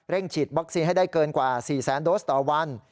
เร่งฉีดบัคซีนให้ได้เกินกว่า๔๐๐โดสต่อวัน